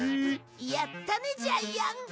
やったねジャイアン！